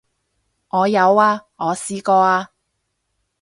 我有啊，我試過啊